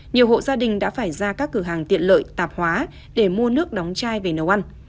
nhiều hộ gia đình đã phải ra các cửa hàng tiện lợi tạp hóa để mua nước đóng chai về nấu ăn